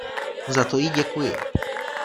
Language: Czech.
Za to jí děkuji.